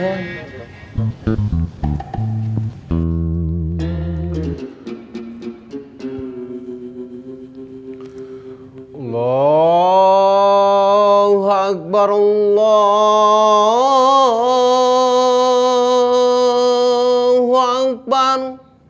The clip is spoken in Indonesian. allah akbar allah abban